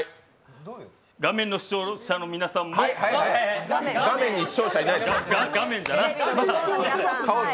画面の視聴者の皆さんも画面に視聴者はいない。